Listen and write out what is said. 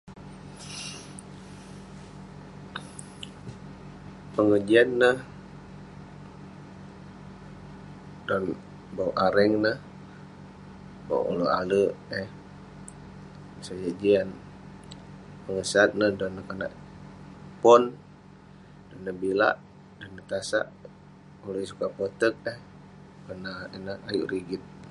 Pengejian neh, dalem areng neh, pongah alek eh, sajak jian..pengesat neh dan neh konak pon, dan neh bilak..dan neh tasak..ulouk yeng sukat poterk eh, kerna ineh ayuk rigit..